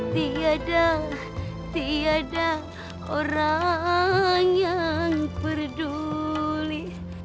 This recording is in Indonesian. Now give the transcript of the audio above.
tidak ada orang yang peduli